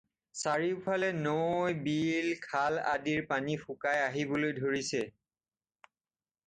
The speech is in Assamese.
চাৰিওফালে নৈ, বিল, খাল আদিৰ পানী শুকাই আহিবলৈ ধৰিছে।